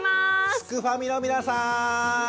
すくファミの皆さんどうも。